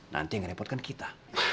nanti ngerepotkan kita